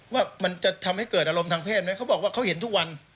ว่ามันจะทำให้เกิดอารมณ์ทางเพศไหมเขาบอกว่าเขาเห็นทุกวัน